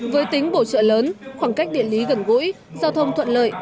với tính bổ trợ lớn khoảng cách địa lý gần gũi giao thông thuận lợi